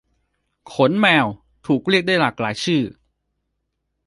ขนแมวถูกเรียกได้หลากหลายชื่อ